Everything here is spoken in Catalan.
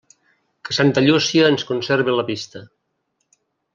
Que santa Llúcia ens conserve la vista.